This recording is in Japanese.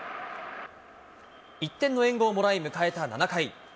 １点の援護をもらい、迎えた７回。